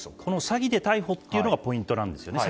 詐欺で先に逮捕というのがポイントなんですね。